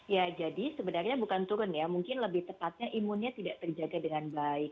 ya jadi sebenarnya bukan turun ya mungkin lebih tepatnya imunnya tidak terjaga dengan baik